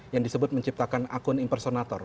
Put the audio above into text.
yang disebut menciptakan akun impersonator